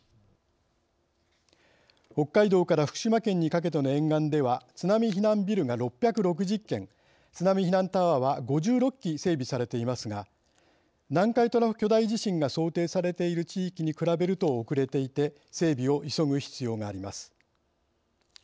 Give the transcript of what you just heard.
北海道から福島県にかけての沿岸では津波避難ビルが６６０軒津波避難タワーは５６基整備されていますが南海トラフ巨大地震が想定されている地域に比べると遅れていて整備を急ぐ必要があります。